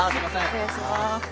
失礼します。